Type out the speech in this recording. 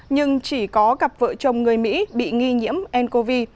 nhưng chỉ có gặp vợ chồng người mỹ bị nghi nhiễm ncov